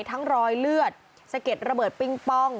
รอยเลือดสะเก็ดระเบิดปิงป้อง